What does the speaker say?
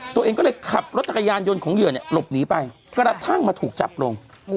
ตัวเองก็เลยขับรถจักรยานยนต์ของเหยื่อเนี่ยหลบหนีไปกระทั่งมาถูกจับลง